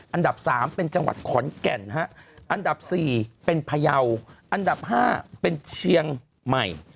อันดับ๓เป็นจังหวัดขอนแก่นอันดับ๔เป็นพยาวอันดับ๕เป็นเชียงใหม่